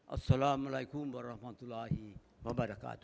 assalamualaikum warahmatullahi wabarakatuh